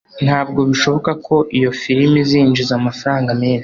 ntabwo bishoboka ko iyo firime izinjiza amafaranga menshi